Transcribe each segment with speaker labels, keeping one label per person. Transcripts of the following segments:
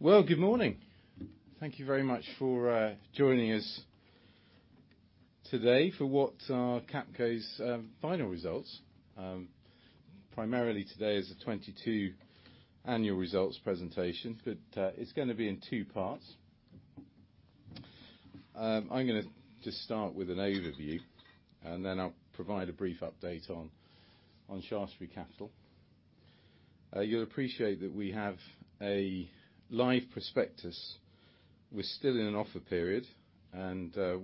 Speaker 1: Well, good morning. Thank you very much for joining us today for what are Capco's final results. Primarily today is a 2022 annual results presentation. It's gonna be in two parts. I'm gonna just start with an overview, and then I'll provide a brief update on Shaftesbury Capital. You'll appreciate that we have a live prospectus. We're still in an offer period.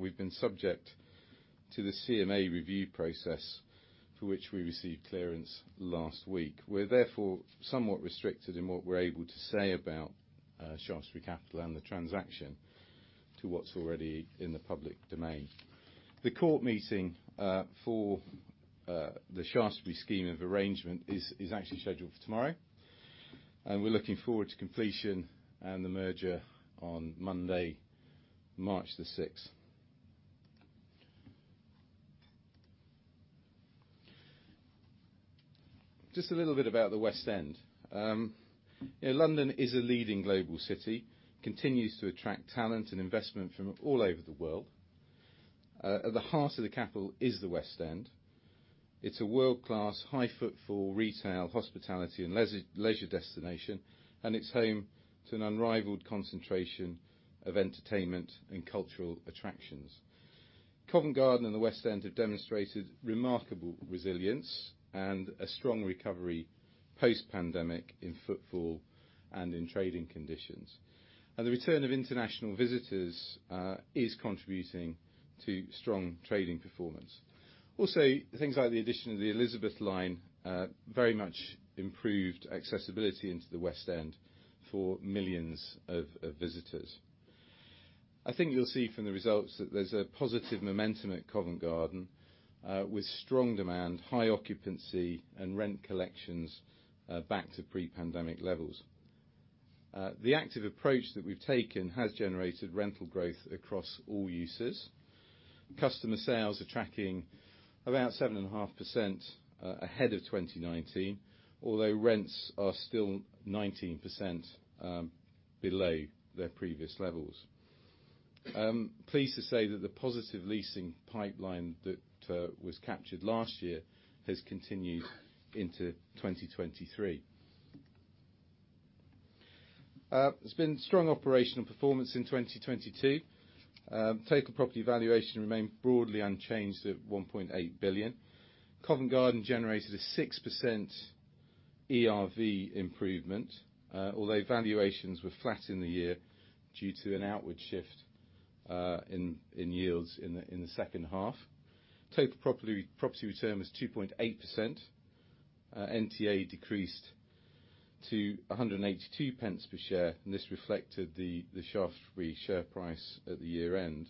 Speaker 1: We've been subject to the CMA review process, for which we received clearance last week. We're therefore somewhat restricted in what we're able to say about Shaftesbury Capital and the transaction to what's already in the public domain. The court meeting for the Shaftesbury scheme of arrangement is actually scheduled for tomorrow. We're looking forward to completion and the merger on Monday, March the sixth. Just a little bit about the West End. You know, London is a leading global city, continues to attract talent and investment from all over the world. At the heart of the capital is the West End. It's a world-class, high footfall retail, hospitality, and leisure destination, and it's home to an unrivaled concentration of entertainment and cultural attractions. Covent Garden and the West End have demonstrated remarkable resilience and a strong recovery post-pandemic in footfall and in trading conditions. The return of international visitors is contributing to strong trading performance. Also, things like the addition of the Elizabeth line, very much improved accessibility into the West End for millions of visitors. I think you'll see from the results that there's a positive momentum at Covent Garden, with strong demand, high occupancy, and rent collections back to pre-pandemic levels. The active approach that we've taken has generated rental growth across all uses. Customer sales are tracking around 7.5% ahead of 2019, although rents are still 19% below their previous levels. Pleased to say that the positive leasing pipeline that was captured last year has continued into 2023. There's been strong operational performance in 2022. Total property valuation remained broadly unchanged at 1.8 billion. Covent Garden generated a 6% ERV improvement, although valuations were flat in the year due to an outward shift in yields in the second half. Total property return was 2.8%. NTA decreased to 1.82 per share, this reflected the Shaftesbury share price at the year-end.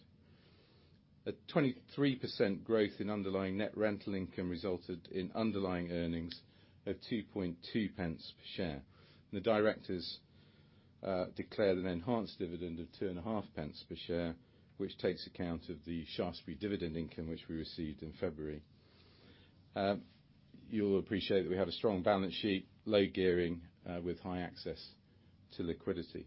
Speaker 1: 23% growth in underlying net rental income resulted in underlying earnings of 0.022 per share. The directors declared an enhanced dividend of two and a half pence per share, which takes account of the Shaftesbury dividend income which we received in February. You'll appreciate that we have a strong balance sheet, low gearing, with high access to liquidity.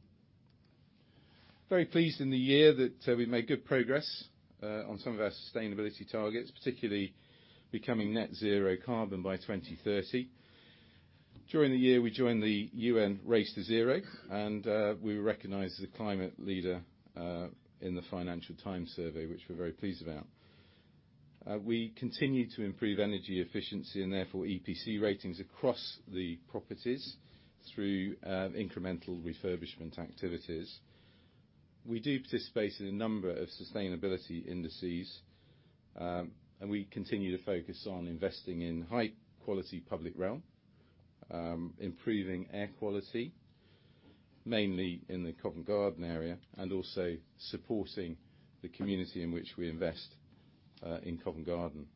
Speaker 1: Very pleased in the year that we've made good progress on some of our sustainability targets, particularly becoming Net Zero Carbon by 2030. During the year, we joined the UN Race to Zero, we were recognized as a climate leader in the Financial Times survey, which we're very pleased about. We continue to improve energy efficiency and therefore EPC ratings across the properties through incremental refurbishment activities. We do participate in a number of sustainability indices, and we continue to focus on investing in high-quality public realm, improving air quality, mainly in the Covent Garden area, and also supporting the community in which we invest in Covent Garden.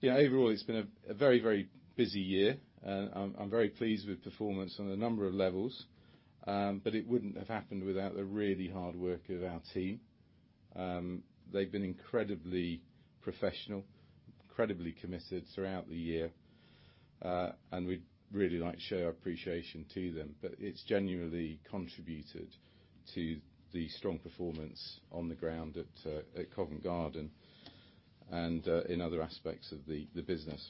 Speaker 1: You know, overall, it's been a very busy year. I'm very pleased with performance on a number of levels, it wouldn't have happened without the really hard work of our team. They've been incredibly professional, incredibly committed throughout the year, and we'd really like to show our appreciation to them. It's genuinely contributed to the strong performance on the ground at Covent Garden and in other aspects of the business.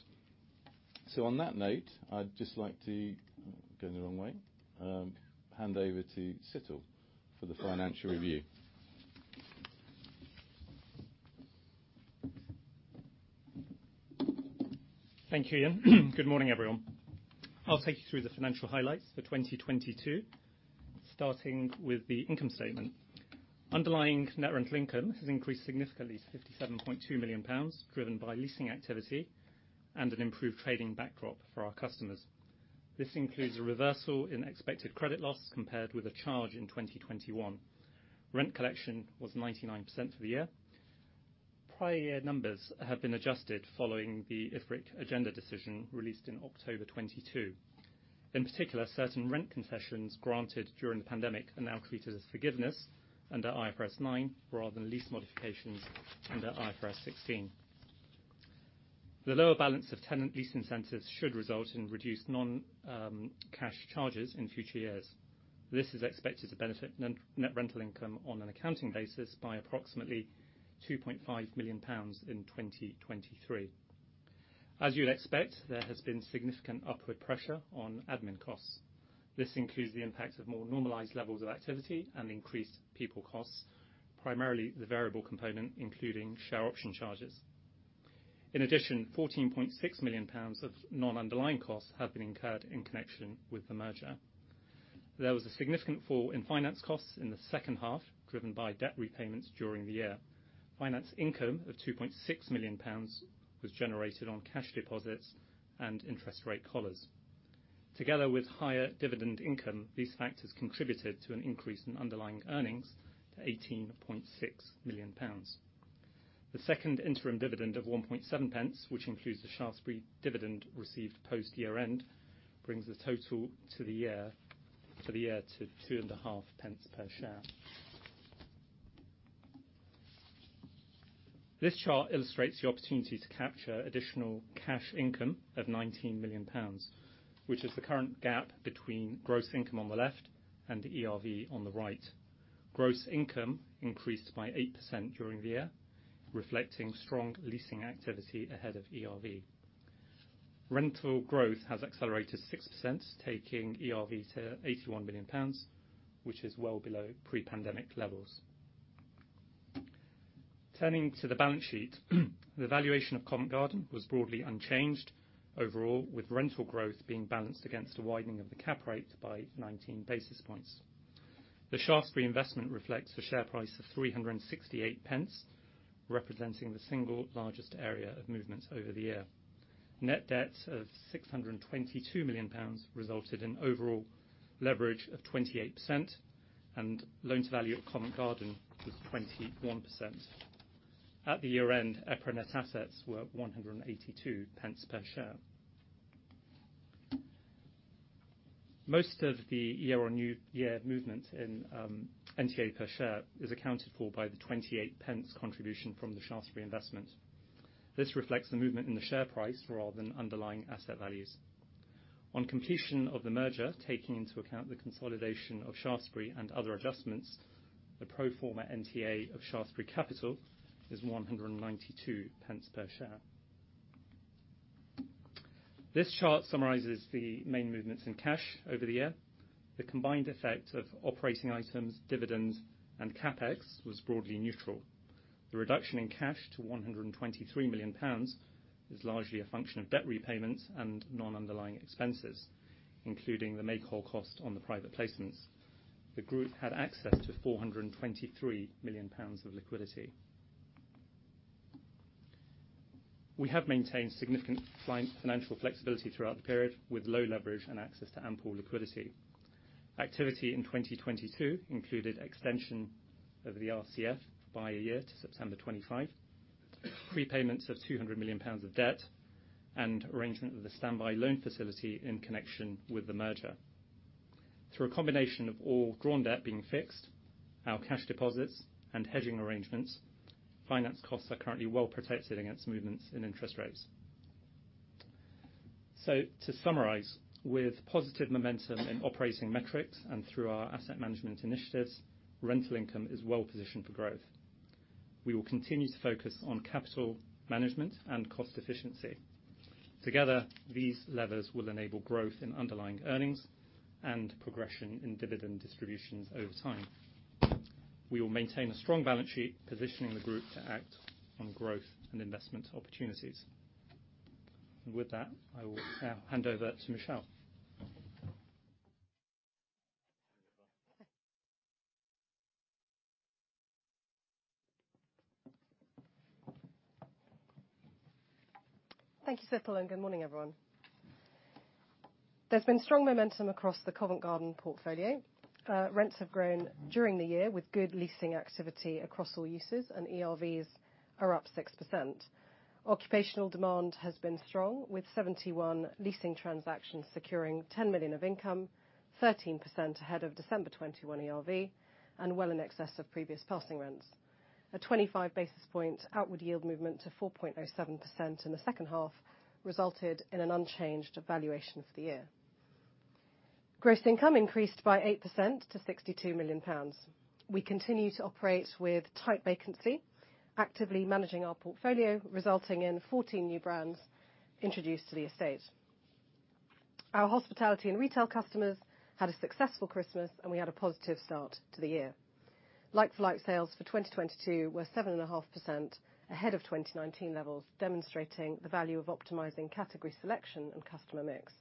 Speaker 1: On that note, Going the wrong way. Hand over to Situl for the financial review.
Speaker 2: Thank you, Ian. Good morning, everyone. I'll take you through the financial highlights for 2022, starting with the income statement. Underlying net rent income has increased significantly to 57.2 million pounds, driven by leasing activity and an improved trading backdrop for our customers. This includes a reversal in Expected Credit Loss compared with a charge in 2021. Rent collection was 99% for the year. Prior year numbers have been adjusted following the IFRIC agenda decision released in October 2022. In particular, certain rent concessions granted during the pandemic are now treated as forgiveness under IFRS 9 rather than lease modifications under IFRS 16. The lower balance of tenant lease incentives should result in reduced non-cash charges in future years. This is expected to benefit net rental income on an accounting basis by approximately 2.5 million pounds in 2023. As you'll expect, there has been significant upward pressure on admin costs. This includes the impact of more normalized levels of activity and increased people costs, primarily the variable component, including share option charges. In addition, 14.6 million pounds of non-underlying costs have been incurred in connection with the merger. There was a significant fall in finance costs in the second half, driven by debt repayments during the year. Finance income of 2.6 million pounds was generated on cash deposits and interest rate collars. Together with higher dividend income, these factors contributed to an increase in underlying earnings to GBP 18.6 million. The second interim dividend of 1.7 pence, which includes the Shaftesbury dividend received post-year-end, brings the total to the year to 2.5 pence per share. This chart illustrates the opportunity to capture additional cash income of 19 million pounds, which is the current gap between gross income on the left and the ERV on the right. Gross income increased by 8% during the year, reflecting strong leasing activity ahead of ERV. Rental growth has accelerated 6%, taking ERV to 81 million pounds, which is well below pre-pandemic levels. Turning to the balance sheet, the valuation of Covent Garden was broadly unchanged overall, with rental growth being balanced against a widening of the cap rate by 19 basis points. The Shaftesbury investment reflects the share price of 368 pence, representing the single largest area of movements over the year. Net debt of 622 million pounds resulted in overall leverage of 28%, and loans value at Covent Garden was 21%. At the year-end, EPRA net assets were 182 pence per share. Most of the year on new year movement in NTA per share is accounted for by the 28 pence contribution from the Shaftesbury investment. This reflects the movement in the share price rather than underlying asset values. On completion of the merger, taking into account the consolidation of Shaftesbury and other adjustments, the pro forma NTA of Shaftesbury Capital is 192 pence per share. This chart summarizes the main movements in cash over the year. The combined effect of operating items, dividends, and CapEx was broadly neutral. The reduction in cash to 123 million pounds is largely a function of debt repayments and non-underlying expenses, including the make-whole cost on the private placements. The group had access to 423 million pounds of liquidity. We have maintained significant client financial flexibility throughout the period with low leverage and access to ample liquidity. Activity in 2022 included extension of the RCF by a year to September 2025, prepayments of 200 million pounds of debt, and arrangement of the standby loan facility in connection with the merger. Through a combination of all drawn debt being fixed, our cash deposits and hedging arrangements, finance costs are currently well protected against movements in interest rates. To summarize, with positive momentum in operating metrics and through our asset management initiatives, rental income is well positioned for growth. We will continue to focus on capital management and cost efficiency. Together, these levers will enable growth in underlying earnings and progression in dividend distributions over time. We will maintain a strong balance sheet, positioning the Group to act on growth and investment opportunities. With that, I will now hand over to Michelle.
Speaker 3: Thank you, Situl, and good morning, everyone. There's been strong momentum across the Covent Garden portfolio. Rents have grown during the year with good leasing activity across all uses, and ERVs are up 6%. Occupational demand has been strong, with 71 leasing transactions securing 10 million of income, 13% ahead of December 2021 ERV and well in excess of previous passing rents. A 25 basis point outward yield movement to 4.07% in the second half resulted in an unchanged valuation for the year. Gross income increased by 8% to 62 million pounds. We continue to operate with tight vacancy, actively managing our portfolio, resulting in 14 new brands introduced to the estate. Our hospitality and retail customers had a successful Christmas, and we had a positive start to the year. Like for like, sales for 2022 were 7.5% ahead of 2019 levels, demonstrating the value of optimizing category selection and customer mix.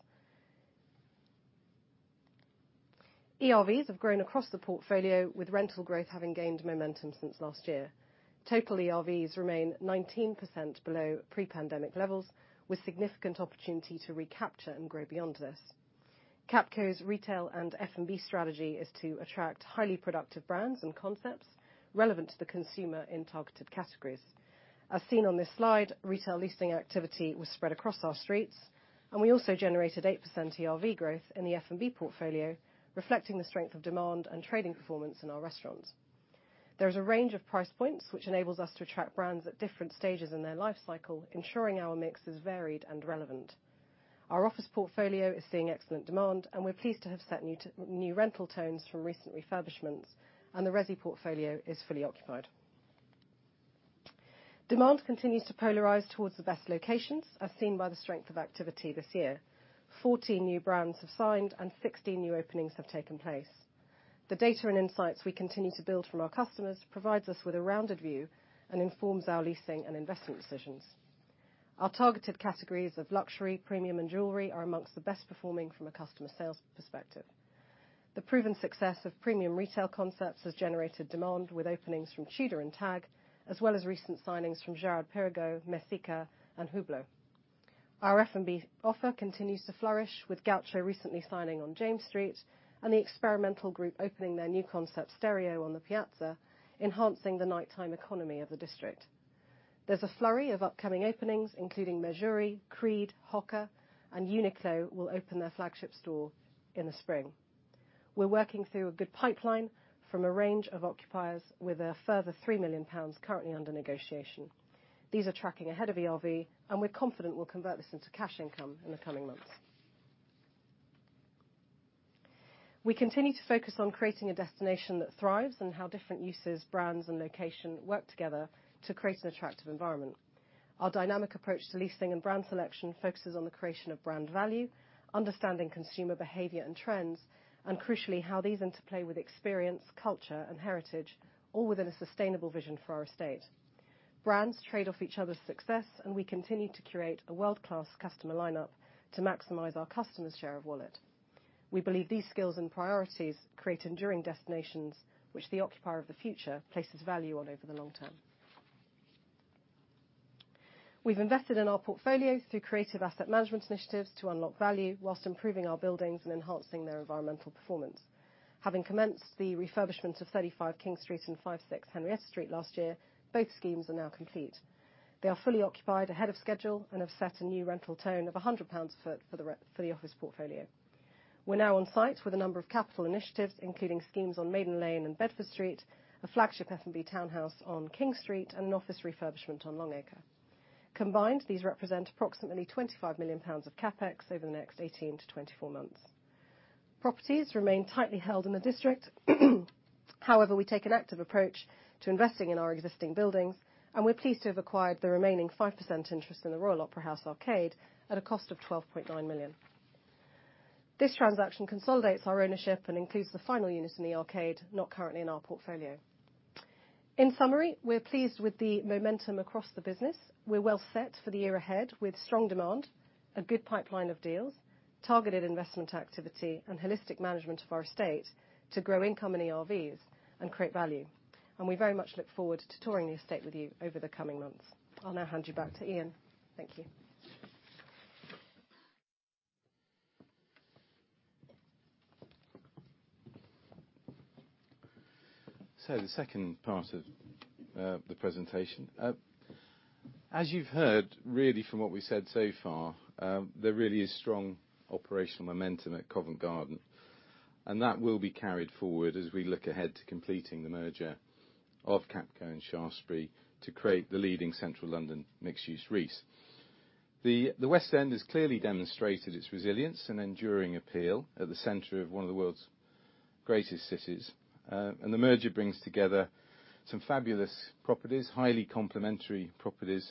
Speaker 3: ERVs have grown across the portfolio, with rental growth having gained momentum since last year. Total ERVs remain 19% below pre-pandemic levels, with significant opportunity to recapture and grow beyond this. Capco's retail and F&B strategy is to attract highly productive brands and concepts relevant to the consumer in targeted categories. As seen on this slide, retail leasing activity was spread across our streets, we also generated 8% ERV growth in the F&B portfolio, reflecting the strength of demand and trading performance in our restaurants. There's a range of price points which enables us to attract brands at different stages in their life cycle, ensuring our mix is varied and relevant. Our office portfolio is seeing excellent demand, and we're pleased to have set new rental tones from recent refurbishments, and the resi portfolio is fully occupied. Demand continues to polarize towards the best locations, as seen by the strength of activity this year. 40 new brands have signed and 60 new openings have taken place. The data and insights we continue to build from our customers provides us with a rounded view and informs our leasing and investment decisions. Our targeted categories of luxury, premium, and jewelry are amongst the best performing from a customer sales perspective. The proven success of premium retail concepts has generated demand with openings from Tudor and Tag, as well as recent signings from Girard-Perregaux, Messika, and Hublot. Our F&B offer continues to flourish with Gaucho recently signing on James Street and the Experimental Group opening their new concept STEREO on the Piazza, enhancing the nighttime economy of the district. There's a flurry of upcoming openings, including Mejuri, Creed, HOKA, and UNIQLO will open their flagship store in the spring. We're working through a good pipeline from a range of occupiers with a further 3 million pounds currently under negotiation. These are tracking ahead of ERV, and we're confident we'll convert this into cash income in the coming months. We continue to focus on creating a destination that thrives and how different uses, brands, and location work together to create an attractive environment. Our dynamic approach to leasing and brand selection focuses on the creation of brand value, understanding consumer behavior and trends, and crucially, how these interplay with experience, culture, and heritage, all within a sustainable vision for our estate. Brands trade off each other's success. We continue to curate a world-class customer lineup to maximize our customers' share of wallet. We believe these skills and priorities create enduring destinations which the occupier of the future places value on over the long term. We've invested in our portfolio through creative asset management initiatives to unlock value whilst improving our buildings and enhancing their environmental performance. Having commenced the refurbishment of 35 King Street and 5/6 Henrietta Street last year, both schemes are now complete. They are fully occupied ahead of schedule and have set a new rental tone of 100 pounds a foot for the office portfolio. We're now on site with a number of capital initiatives, including schemes on Maiden Lane and Bedford Street, a flagship F&B townhouse on King Street, and an office refurbishment on Long Acre. Combined, these represent approximately 25 million pounds of CapEx over the next 18-24 months. Properties remain tightly held in the district. We take an active approach to investing in our existing buildings, and we're pleased to have acquired the remaining 5% interest in the Royal Opera House Arcade at a cost of 12.9 million. This transaction consolidates our ownership and includes the final unit in the arcade, not currently in our portfolio. We're pleased with the momentum across the business. We're well set for the year ahead with strong demand, a good pipeline of deals, targeted investment activity, and holistic management of our estate to grow income and ERVs and create value. We very much look forward to touring the estate with you over the coming months. I'll now hand you back to Ian. Thank you.
Speaker 1: The second part of the presentation. As you've heard, really from what we've said so far, there really is strong operational momentum at Covent Garden, and that will be carried forward as we look ahead to completing the merger of Capco and Shaftesbury to create the leading Central London mixed-use REIT. The West End has clearly demonstrated its resilience and enduring appeal at the center of one of the world's greatest cities. The merger brings together some fabulous properties, highly complementary properties,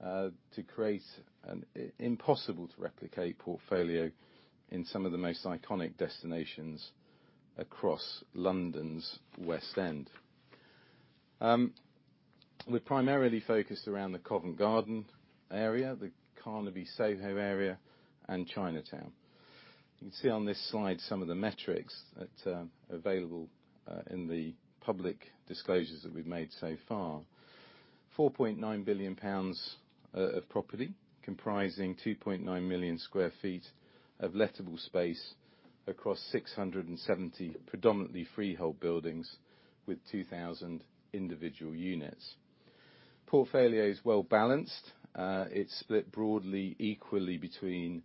Speaker 1: to create an impossible-to-replicate portfolio in some of the most iconic destinations across London's West End. We're primarily focused around the Covent Garden area, the Carnaby-Soho area, and Chinatown. You can see on this slide some of the metrics that are available in the public disclosures that we've made so far. 4.9 billion pounds of property comprising 2.9 million sq ft of lettable space across 670 predominantly freehold buildings with 2,000 individual units. Portfolio is well-balanced. It's split broadly equally between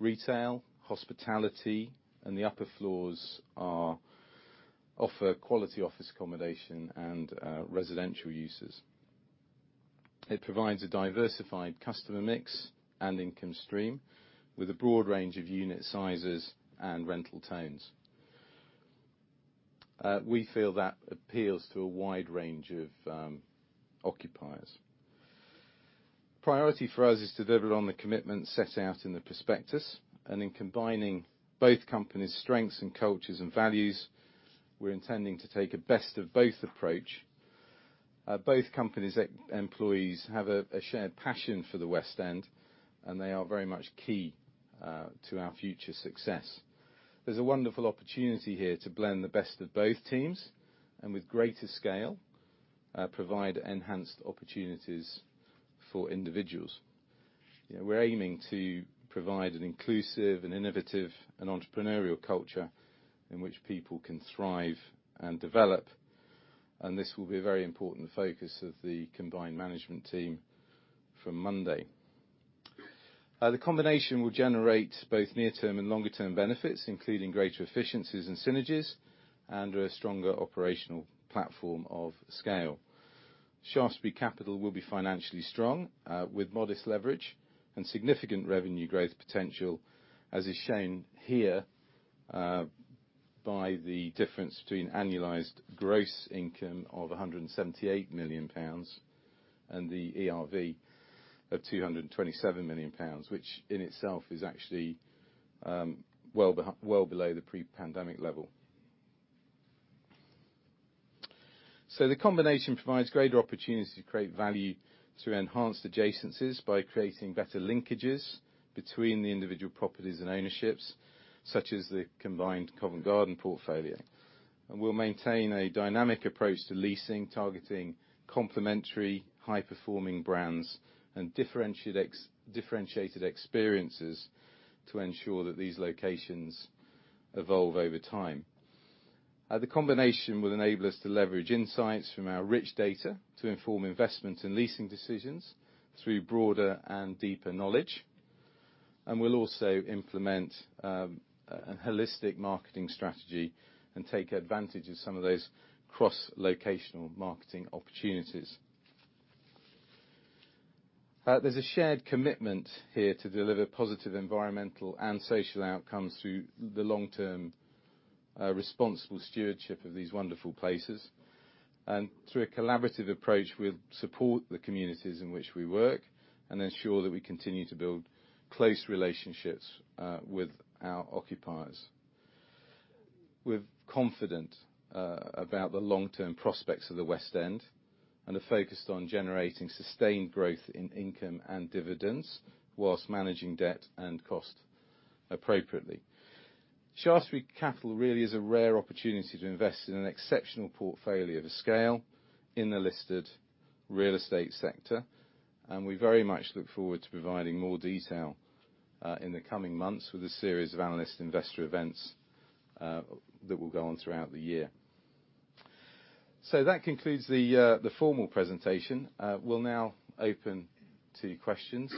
Speaker 1: retail, hospitality, and the upper floors offer quality office accommodation and residential uses. It provides a diversified customer mix and income stream with a broad range of unit sizes and rental tones. We feel that appeals to a wide range of occupiers. Priority for us is to deliver on the commitment set out in the prospectus. In combining both companies' strengths and cultures and values, we're intending to take a best-of-both approach. Both companies' employees have a shared passion for the West End. They are very much key to our future success. There's a wonderful opportunity here to blend the best of both teams and, with greater scale, provide enhanced opportunities for individuals. You know, we're aiming to provide an inclusive and innovative and entrepreneurial culture in which people can thrive and develop, and this will be a very important focus of the combined management team from Monday. The combination will generate both near-term and longer-term benefits, including greater efficiencies and synergies, and a stronger operational platform of scale. Shaftesbury Capital will be financially strong, with modest leverage and significant revenue growth potential, as is shown here, by the difference between annualized gross income of 178 million pounds and the ERV of 227 million pounds, which in itself is actually, well below the pre-pandemic level. The combination provides greater opportunity to create value through enhanced adjacencies by creating better linkages between the individual properties and ownerships, such as the combined Covent Garden portfolio. We'll maintain a dynamic approach to leasing, targeting complementary high-performing brands and differentiated experiences to ensure that these locations evolve over time. The combination will enable us to leverage insights from our rich data to inform investments and leasing decisions through broader and deeper knowledge. We'll also implement a holistic marketing strategy and take advantage of some of those cross-locational marketing opportunities. There's a shared commitment here to deliver positive environmental and social outcomes through the long-term responsible stewardship of these wonderful places. Through a collaborative approach, we'll support the communities in which we work and ensure that we continue to build close relationships with our occupiers. We're confident about the long-term prospects of the West End and are focused on generating sustained growth in income and dividends whilst managing debt and cost appropriately. Shaftesbury Capital really is a rare opportunity to invest in an exceptional portfolio of a scale in the listed real estate sector, and we very much look forward to providing more detail in the coming months with a series of analyst investor events that will go on throughout the year. That concludes the formal presentation. We'll now open to questions.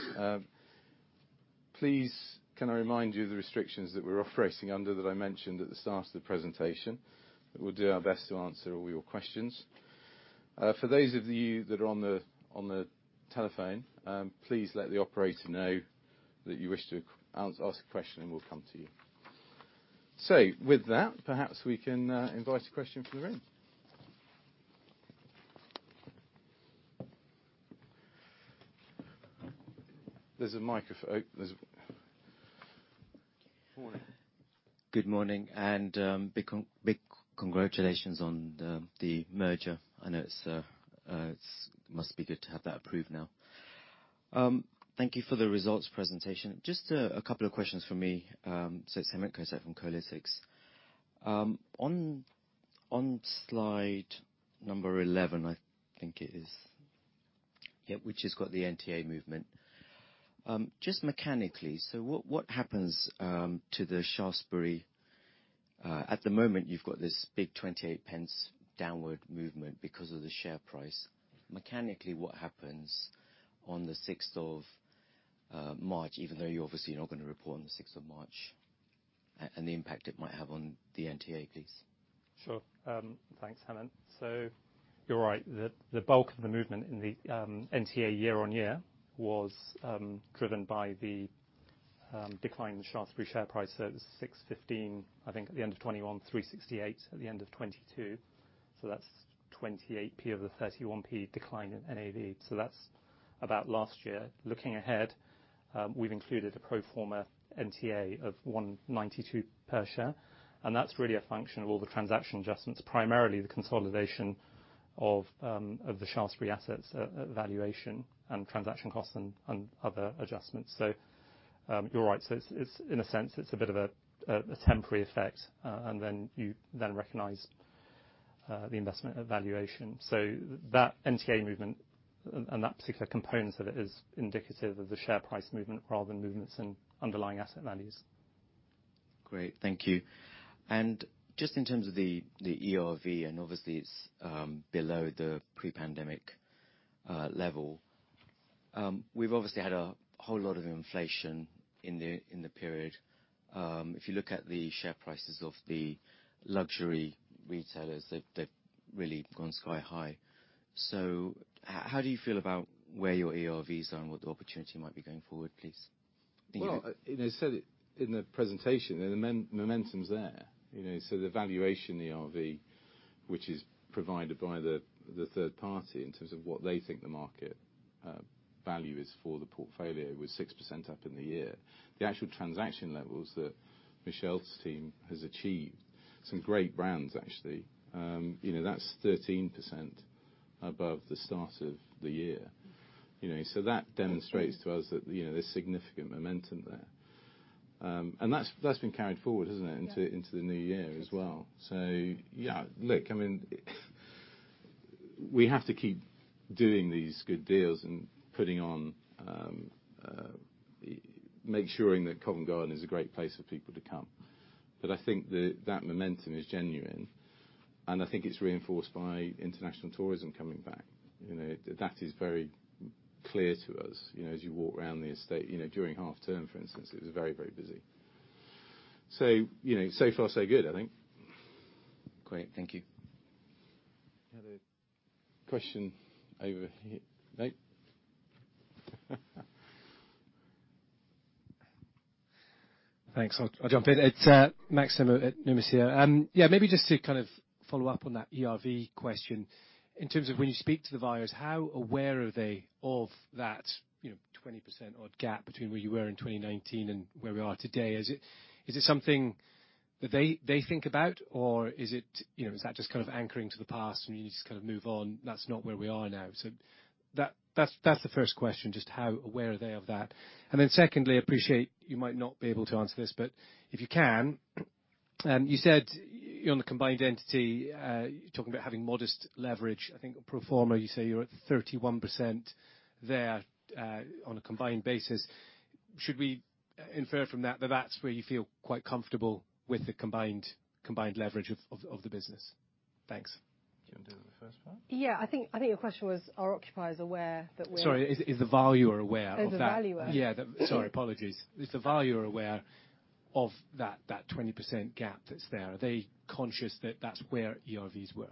Speaker 1: Please, can I remind you of the restrictions that we're operating under that I mentioned at the start of the presentation? We'll do our best to answer all your questions. For those of you that are on the, on the telephone, please let the operator know that you wish to ask a question and we'll come to you. With that, perhaps we can invite a question from the room. There's a microphone.
Speaker 4: Good morning, big congratulations on the merger. I know it's must be good to have that approved now. Thank you for the results presentation. Just a couple of questions from me. It's Hemant Kotecha from M&G Investments. On slide number 11, I think it is, which has got the NTA movement. Just mechanically, what happens to the Shaftesbury? At the moment, you've got this big 28 pence downward movement because of the share price. Mechanically, what happens on the 6th of March, even though you're obviously not gonna report on the 6th of March, and the impact it might have on the NTA, please?
Speaker 2: Sure. Thanks, Hemant. You're right. The bulk of the movement in the NTA year on year was driven by the decline in the Shaftesbury share price. It was 6.15, I think, at the end of 2021, 3.68 at the end of 2022. That's 0.28 of the 0.31 decline in NAV. That's about last year. Looking ahead, we've included a pro forma NTA of 1.92 per share, and that's really a function of all the transaction adjustments, primarily the consolidation of the Shaftesbury assets, valuation and transaction costs and other adjustments. You're right. It's, in a sense, it's a bit of a temporary effect, and then you then recognize the investment valuation. That NTA movement and that particular component of it is indicative of the share price movement rather than movements in underlying asset values.
Speaker 4: Great. Thank you. Just in terms of the ERV, and obviously it's below the pre-pandemic level, we've obviously had a whole lot of inflation in the, in the period. If you look at the share prices of the luxury retailers, they've really gone sky high. How do you feel about where your ERVs are and what the opportunity might be going forward, please?
Speaker 1: Well, as I said it in the presentation, the momentum's there. You know, the valuation ERV, which is provided by the third party in terms of what they think the market value is for the portfolio was 6% up in the year. The actual transaction levels that Michelle's team has achieved, some great brands actually, you know, that's 13% above the start of the year. You know, that demonstrates to us that, you know, there's significant momentum there. That's, that's been carried forward, isn't it? Yeah. Into the new year as well. Yeah. Look, I mean, we have to keep doing these good deals and putting on, making sure that Covent Garden is a great place for people to come. I think that momentum is genuine, and I think it's reinforced by international tourism coming back. You know, that is very clear to us. You know, as you walk around the estate, you know, during half term, for instance, it was very busy. You know, so far, so good, I think.
Speaker 4: Great. Thank you.
Speaker 1: We had a question over nope.
Speaker 5: Thanks. I'll jump in. It's Max Nimmo at Numis here. Yeah, maybe just to kind of follow up on that ERV question. In terms of when you speak to the buyers, how aware are they of that, you know, 20% odd gap between where you were in 2019 and where we are today? Is it something that they think about? Is it, you know, is that just kind of anchoring to the past and you just kind of move on? That's not where we are now. That's the first question, just how aware are they of that? Secondly, I appreciate you might not be able to answer this, but if you can, you said you're on a combined entity, talking about having modest leverage. I think pro forma, you say you're at 31% there, on a combined basis. Should we infer from that that's where you feel quite comfortable with the combined leverage of the business? Thanks.
Speaker 1: Do you wanna do the first one?
Speaker 3: Yeah. I think your question was, are occupiers aware that.
Speaker 5: Sorry, is the valuer aware of that?
Speaker 3: Is the valuer-
Speaker 5: Yeah. Sorry, apologies. Is the valuer aware of that 20% gap that's there? Are they conscious that that's where ERVs were?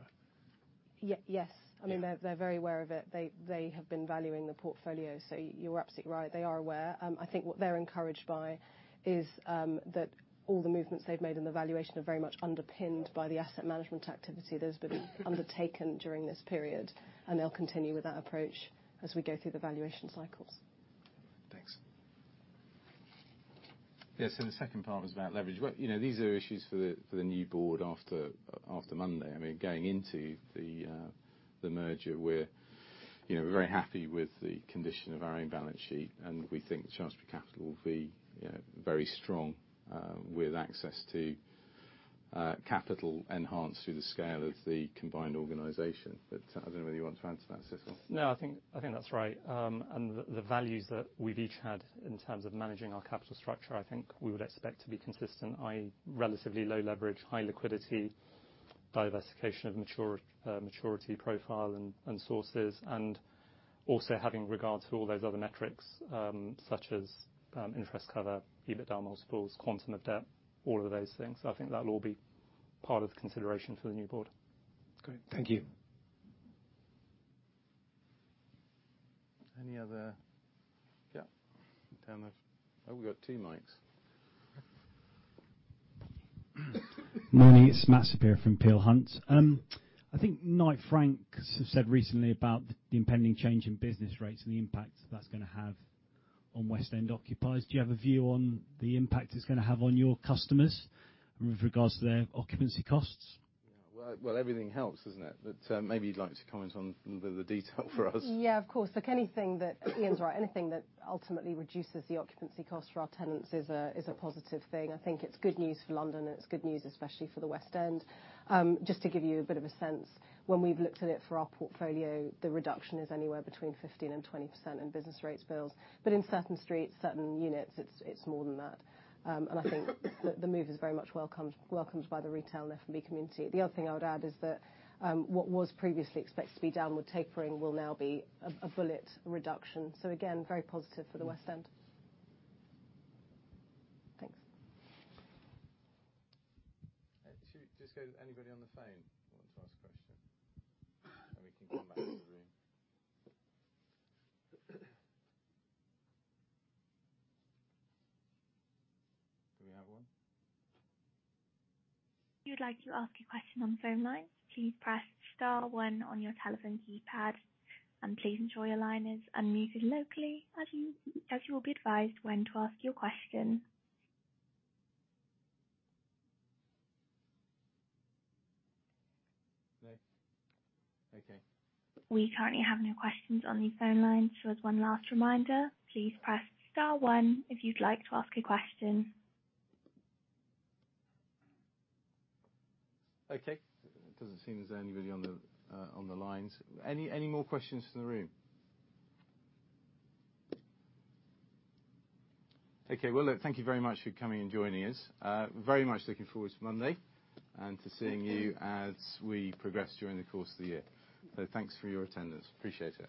Speaker 3: Ye-yes.
Speaker 5: Yeah.
Speaker 3: I mean, they're very aware of it. They have been valuing the portfolio. You're absolutely right. They are aware. I think what they're encouraged by is that all the movements they've made in the valuation are very much underpinned by the asset management activity that has been undertaken during this period, and they'll continue with that approach as we go through the valuation cycles.
Speaker 5: Thanks.
Speaker 1: Yeah. The second part was about leverage. Well, you know, these are issues for the new board after Monday. I mean, going into the merger, we're, you know, we're very happy with the condition of our own balance sheet, and we think Shaftesbury Capital will be, you know, very strong, with access to capital enhanced through the scale of the combined organization. I don't know whether you want to answer that, Situl.
Speaker 2: I think that's right. The values that we've each had in terms of managing our capital structure, I think we would expect to be consistent, i.e., relatively low leverage, high liquidity, diversification of maturity profile and sources, and also having regard to all those other metrics, such as interest cover, EBITDA multiples, quantum of debt, all of those things. I think that will all be part of the consideration for the new board.
Speaker 5: Great. Thank you.
Speaker 1: Any other... Yeah. Down the... Oh, we got two mics.
Speaker 6: Morning. It's Matthew Saperia from Peel Hunt. I think Knight Frank have said recently about the impending change in business rates and the impact that's gonna have on West End occupiers. Do you have a view on the impact it's gonna have on your customers with regards to their occupancy costs?
Speaker 1: Yeah. Well, everything helps, isn't it? Maybe you'd like to comment on the detail for us.
Speaker 3: Yeah, of course. Look, anything that... Ian's right. Anything that ultimately reduces the occupancy cost for our tenants is a positive thing. I think it's good news for London, and it's good news, especially for the West End. Just to give you a bit of a sense, when we've looked at it for our portfolio, the reduction is anywhere between 15%-20% in business rates bills. But in certain streets, certain units, it's more than that. And I think the move is very much welcomed by the retail and F&B community. The other thing I would add is that what was previously expected to be downward tapering will now be a bullet reduction. Again, very positive for the West End. Thanks.
Speaker 1: Should we just go to anybody on the phone who want to ask a question? We can come back to the room. Do we have one?
Speaker 7: If you'd like to ask a question on the phone line, please press star one on your telephone keypad, and please ensure your line is unmuted locally as you will be advised when to ask your question.
Speaker 1: No? Okay.
Speaker 7: We currently have no questions on the phone line. As one last reminder, please press star one if you'd like to ask a question.
Speaker 1: It doesn't seem there's anybody on the on the lines. Any more questions from the room? Look, thank you very much for coming and joining us. very much looking forward to Monday and to seeing you-
Speaker 3: Thank you.
Speaker 1: ...as we progress during the course of the year. Thanks for your attendance. Appreciate it.